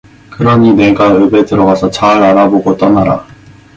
그러니 내가 읍에 들어가서 잘 알아보고 떠나라.